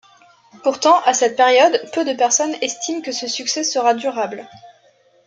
Pourtant à cette période, peu de personnes estiment que ce succès sera durable.